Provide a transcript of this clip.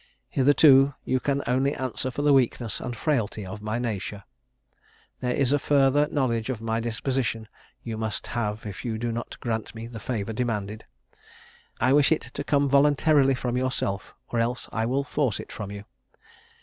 Hitherto you can only answer for the weakness and frailty of my nature. There is a further knowledge of my disposition you must have if you do not grant me the favour demanded. I wish it to come voluntarily from yourself, or else I will force it from you.